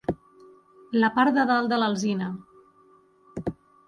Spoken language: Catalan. La part de dalt de l'alzina.